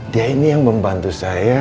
dia ini yang membantu saya